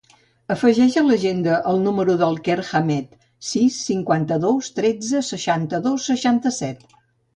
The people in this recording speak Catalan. Afegeix a l'agenda el número del Quer Hamed: sis, cinquanta-dos, tretze, seixanta-dos, seixanta-set.